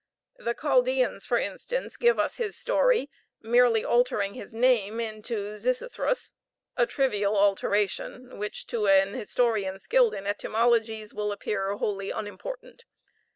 The Chaldeans, for instance, give us his story, merely altering his name into Xisuthrus a trivial alteration, which to an historian skilled in etymologies will appear wholly unimportant.